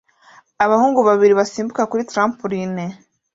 Abahungu babiri basimbuka kuri trampoline